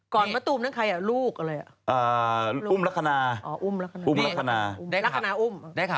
ก่อนมะตูมนั้นใครอะลูกอะไรอะ